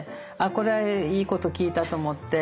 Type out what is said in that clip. これはいいこと聞いたと思って。